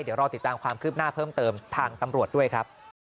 เดี๋ยวรอติดตามความคืบหน้าเพิ่มเติมทางตำรวจด้วยครับ